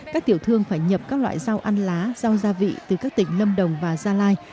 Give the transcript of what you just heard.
các tiểu thương phải nhập các loại rau ăn lá dao gia vị từ các tỉnh lâm đồng và gia lai